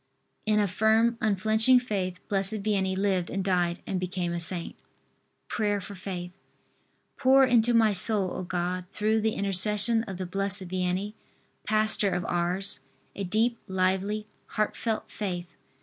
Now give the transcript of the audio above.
In a firm unflinching faith Blessed Vianney lived and died and became a saint. PRAYER FOR FAITH. Pour into my soul, O God, through the intercession of the Blessed Vianney, pastor of Ars, a deep lively heartfelt faith!